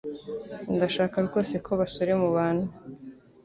Ndashaka rwose ko basore mubana